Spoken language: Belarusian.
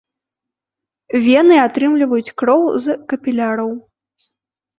Вены атрымліваюць кроў з капіляраў.